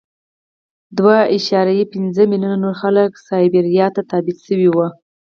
دوه اعشاریه پنځه میلیونه نور خلک سایبریا ته تبعید شوي وو